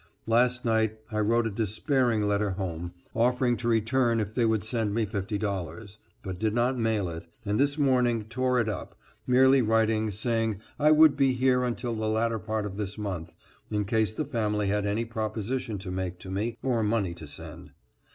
Last night I wrote a despairing letter home, offering to return if they would send me $50, but did not mail it, and this morning tore it up, merely writing saying I would be here until the latter part of this month in case the family had any proposition to make to me or money to send.